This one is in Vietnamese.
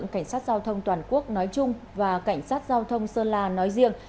cảnh sát giao thông toàn quốc nói chung và cảnh sát giao thông sơn la nói riêng